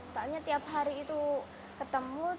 soalnya tiap hari itu ketemu